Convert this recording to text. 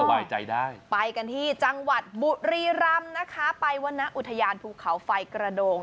ใจได้ไปกันที่จังหวัดบุรีรำนะคะไปวรรณอุทยานภูเขาไฟกระโดง